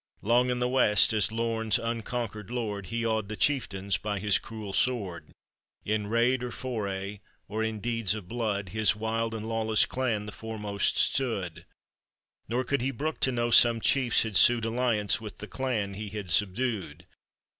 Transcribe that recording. Long in the west as Lorn's unconquered lord, He awed the chieftains by his cruel sword: In raid or foray, or in deeds of blood, His wild and lawless clan the foremost stood ; Nor could he brook to know some chiefs had sued Alliance with the clan he had subdued.